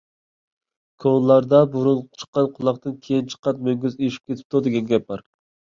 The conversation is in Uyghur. كونىلاردا: «بۇرۇن چىققان قۇلاقتىن، كېيىن چىققان مۈڭگۈز ئېشىپ كېتىپتۇ» دېگەن گەپ بار.